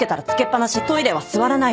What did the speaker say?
トイレは座らない。